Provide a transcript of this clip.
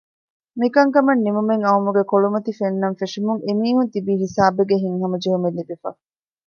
މިކަންކަމަށް ނިމުމެއް އައުމުގެ ކޮޅުމަތި ފެންނާން ފެށުމުން އެމީހުން ތިބީ ހިސާބެއްގެ ހިތްހަމަ ޖެހުމެއް ލިބިފަ